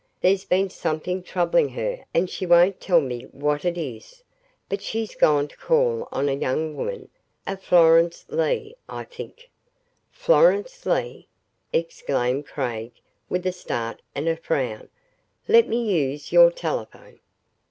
There's been something troubling her and she won't tell me what it is. But she's gone to call on a young woman, a Florence Leigh, I think." "Florence Leigh!" exclaimed Craig with a start and a frown. "Let me use your telephone."